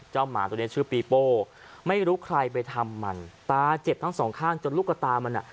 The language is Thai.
หมาตัวนี้ชื่อปีโป้ไม่รู้ใครไปทำมันตาเจ็บทั้งสองข้างจนลูกตามันอ่ะ